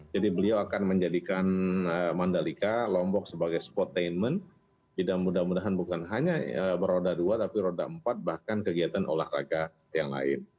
jadi beliau akan menjadikan mandalika lombok sebagai spotainment tidak mudah mudahan bukan hanya beroda dua tapi roda empat bahkan kegiatan olahraga yang lain